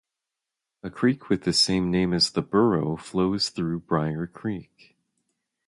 A creek with the same name as the borough flows through Briar Creek.